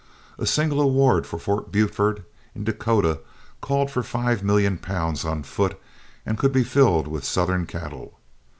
A single award for Fort Buford in Dakota called for five million pounds on foot and could be filled with Southern cattle.